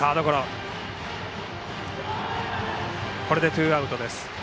ツーアウトです。